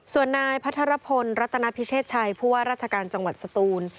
ส่วนนายพัทรพลรัตนพิเชษชัยผู้ว่าราชการจังหวัดสตูน